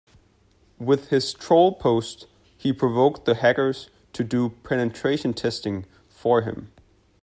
With his troll post he provoked the hackers to do penetration testing for him.